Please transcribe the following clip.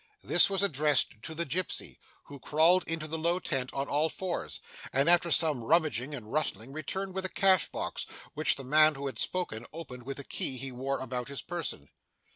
This was addressed to the gipsy, who crawled into the low tent on all fours, and after some rummaging and rustling returned with a cash box, which the man who had spoken opened with a key he wore about his person.